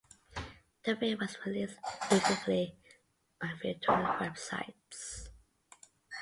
The film was released illegally on few torrent websites.